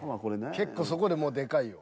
結構そこでもうでかいよ。